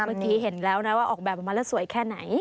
เมื่อกี้เห็นแล้วนะว่าออกแบบออกมาแล้วสวยแค่ไหน